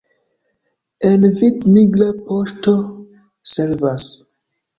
En Vid migra poŝto servas.